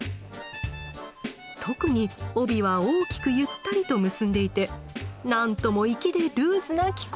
特に帯は大きくゆったりと結んでいてなんとも粋でルーズな着こなし！